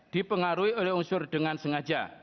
dipengaruhi oleh unsur dengan sengaja